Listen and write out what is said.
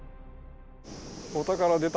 お宝出た！